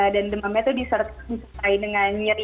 demamnya itu disertai dengan nyeri